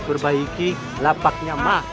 berbaiki lapaknya mak